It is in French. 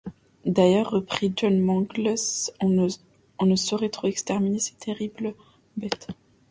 D’ailleurs, reprit John Mangles, on ne saurait trop exterminer ces terribles bêtes.